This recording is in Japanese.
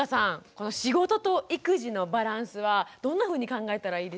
この仕事と育児のバランスはどんなふうに考えたらいいでしょうか？